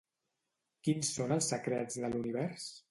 Quins són els secrets de l'univers?